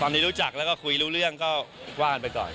ตอนนี้รู้จักแล้วก็คุยรู้เรื่องก็ว่ากันไปก่อน